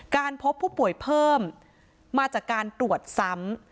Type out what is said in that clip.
การพบผู้ป่วยเพิ่มมาจากการตรวจซ้ำ